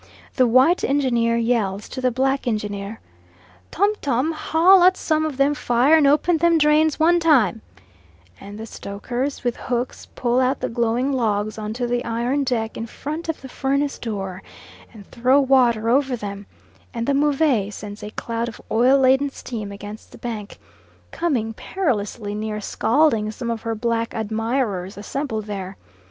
The white engineer yells to the black engineer "Tom Tom: Haul out some of them fire and open them drains one time," and the stokers, with hooks, pull out the glowing logs on to the iron deck in front of the furnace door, and throw water over them, and the Move sends a cloud of oil laden steam against the bank, coming perilously near scalding some of her black admirers assembled there.